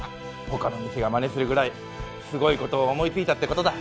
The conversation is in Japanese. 他の店がまねするぐらいすごいことを思いついたってことだ。